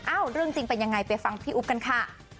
เรื่องจริงเป็นยังไงไปฟังพี่อุ๊บกันค่ะ